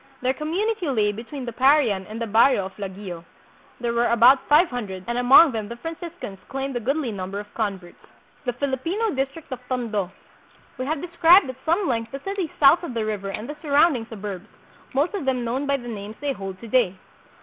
Their community lay between the Parian and the barrio of Laguio. There were about five hundred, and among them the Franciscans claimed a goodly number of converts. The Filipino District of Tondo. We have described at some length the city south of the river and the surround ing suburbs, most of them known by the names they hold to day.